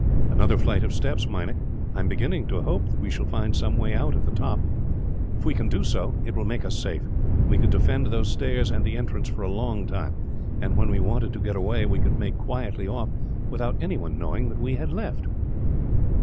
"Another flight of steps, Meinik. I am beginning to hope that we shall find some way out, at the top. If we can do so, it will make us safe. We could defend those stairs and the entrance for a long time and, when we wanted to get away, we could make quietly off, without anyone knowing that we had left."